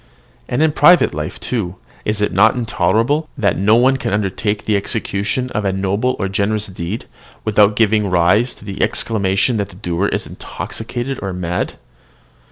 And in private life, too, is it not intolerable that no one can undertake the execution of a noble or generous deed, without giving rise to the exclamation that the doer is intoxicated or mad?